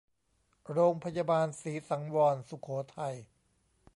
โรงพยาบาลศรีสังวรสุโขทัย